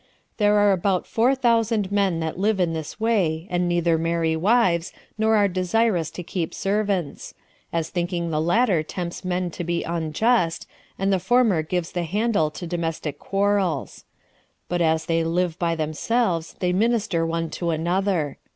There are about four thousand men that live in this way, and neither marry wives, nor are desirous to keep servants; as thinking the latter tempts men to be unjust, and the former gives the handle to domestic quarrels; but as they live by themselves, they minister one to another.